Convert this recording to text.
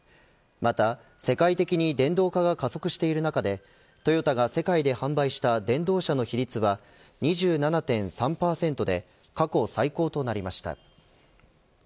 また世界的に、電動化が加速している中でトヨタが世界で販売した電動車の比率は２７．３％で過去最高となりました。